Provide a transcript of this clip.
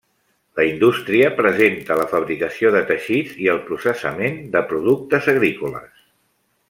La indústria presenta la fabricació de teixits i el processament de productes agrícoles.